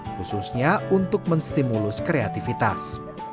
khususnya untuk menstimulus kreativitas